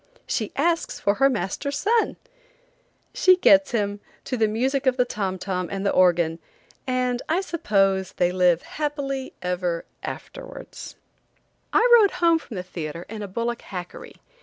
She asks for her master's son! She gets him, to the music of the tom tom and the organ, and I suppose they live happy ever afterwards. I rode home from the theatre in a bullock hackery.